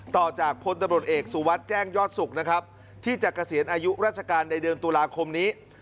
ต่อจากพลตำรวจเอกสุวัสดิ์แจ้งยอดสุขนะครับที่จะเกษียณอายุราชการในเดือนตุลาคมนี้